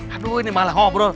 aduh ini malah ngobrol